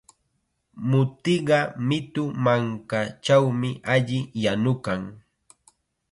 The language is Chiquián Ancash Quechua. Mutiqa mitu mankachawmi alli yanukan.